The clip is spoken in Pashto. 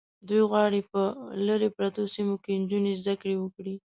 دوی غواړي په لرې پرتو سیمو کې نجونې زده کړې وکړي.